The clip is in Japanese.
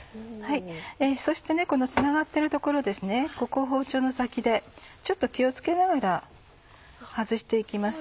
そしてこのつながっている所ここを包丁の先でちょっと気を付けながら外して行きます。